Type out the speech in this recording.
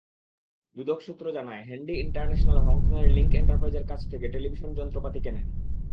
দুদক সূত্র জানায়, handy international হংকংয়ের লিংক এন্টারপ্রাইজের কাছ থেকে টেলিভিশন যন্ত্রপাতি কেনেন।